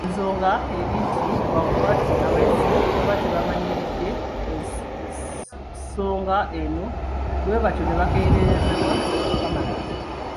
Ensonga eri lwakuba nti abayizi baba tebamanyiridde nsonga eno, bwe batyo bakeeyerezebwa okukamala.